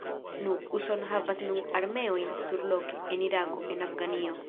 Nu, Usono havas nun armeojn surloke, en Irako, en Afganio.